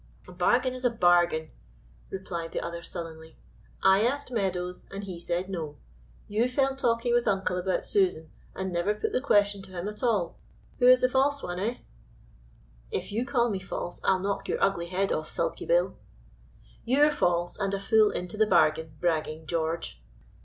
"A bargain is a bargain," replied the other sullenly: "I asked Meadows, and he said No. You fell talking with uncle about Susan, and never put the question to him at all. Who is the false one, eh?" "If you call me false, I'll knock your ugly head off, sulky Bill." "You're false, and a fool into the bargain, bragging George!"